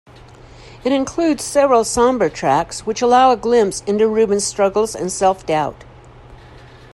It includes several somber tracks which allow a glimpse into Reuben's struggles and self-doubt.